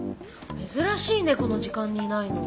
珍しいねこの時間にいないの。